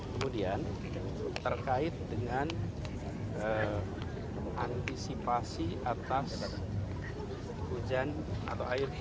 kemudian terkait dengan antisipasi atas hujan atau air